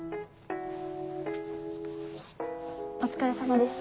お疲れさまでした。